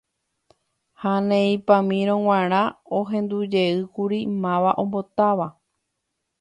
Ha neipamírõ g̃uarã ohendujeyjeýkuri máva ombotáva.